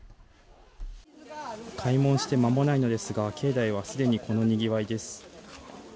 開門してまもないのですが境内はすでにこのにぎわいです。